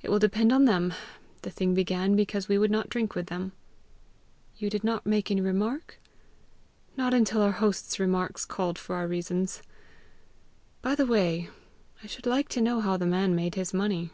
"It will depend on them. The thing began because we would not drink with them." "You did not make any remark?" "Not until our host's remarks called for our reasons. By the way, I should like to know how the man made his money."